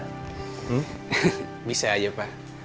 hmm bisa aja pak